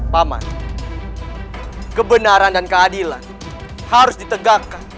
paman kebenaran dan keadilan harus ditegakkan